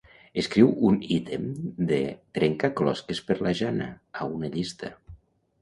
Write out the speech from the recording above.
Escriu un ítem de "trencaclosques per la Jana" a una llista.